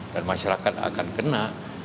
dan masyarakat akan kena